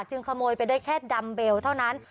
ขโมยไปได้แค่ดัมเบลเท่านั้น